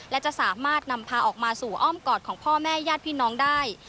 และจะสามารถนำพาออกมาสู่อ้อมกอดของพ่อแม่ญาติพี่น้องได้